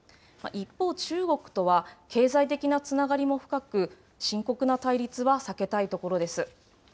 一方、中国とは経済的なつながりも深く、深刻な対立は避けたいところです。